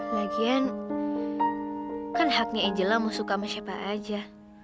lagian kan haknya angela mau suka sama siapa aja